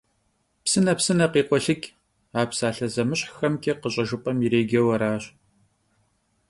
Psıne, psıne khikhuelhıç' - a psalhe zemışhxemç'e khış'ejjıp'em yirêceu araş.